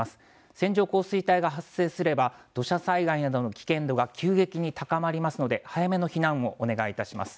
線状降水帯が発生すれば、土砂災害などの危険度が急激に高まりますので、早めの避難をお願いいたします。